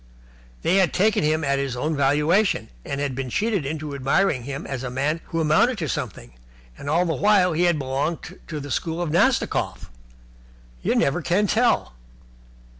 They had taken him at his own valuation, and had been cheated into admiring him as a man who amounted to something, and all the while he had belonged to the school of Nastikoff. You never can tell.